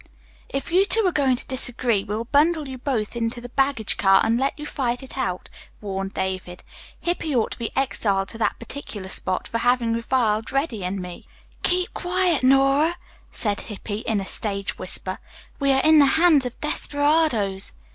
"If you two are going to disagree we'll bundle you both into the baggage car and let you fight it out," warned David. "Hippy ought to be exiled to that particular spot for having reviled Reddy and me." "Keep quiet, Nora," said Hippy in a stage whisper. "We are in the hands of desperadoes."